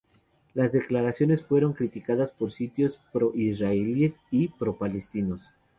Las declaraciones fueron criticadas por sitios pro-israelíes y pro-palestinos.